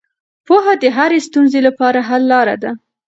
پوهه د هرې ستونزې لپاره حل لاره ده.